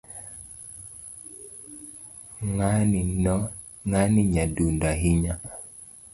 Ngani nyadundo ahinya